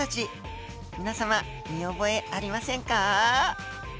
皆様見覚えありませんか？